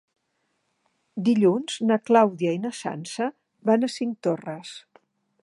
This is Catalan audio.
Dilluns na Clàudia i na Sança van a Cinctorres.